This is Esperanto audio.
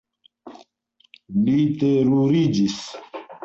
Li teruriĝis.